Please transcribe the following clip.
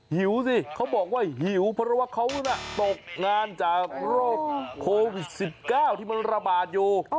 หิวสิเขาบอกว่าหิวเพราะว่าเขาน่ะตกงานจากโรคโควิด๑๙ที่มันระบาดอยู่